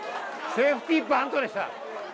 セーフティーバントでした！